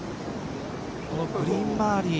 このグリーン周り